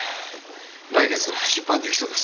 来月出版できそうです。